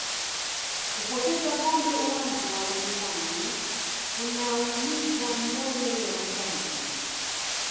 kupoteza kombe uwanja wa nyumbani kunaumiza mioyo ya mashabiki